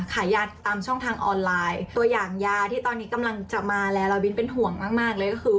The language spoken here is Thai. ขายยาตามช่องทางออนไลน์ตัวอย่างยาที่ตอนนี้กำลังจะมาแล้วแล้วบินเป็นห่วงมากมากเลยก็คือ